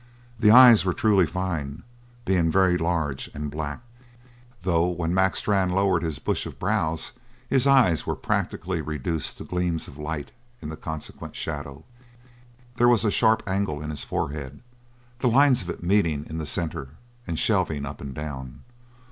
The eyes were truly fine, being very large and black, though when Mac Strann lowered his bush of brows his eyes were practically reduced to gleams of light in the consequent shadow. There was a sharp angle in his forehead, the lines of it meeting in the centre and shelving up and down.